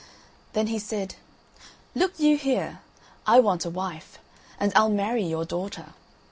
Then he said: "Look you here, I want a wife, and I'll marry your daughter.